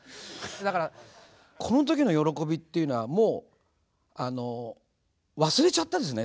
だからこの時の喜びっていうのはもう忘れちゃったんですね。